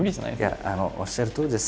いやおっしゃるとおりです。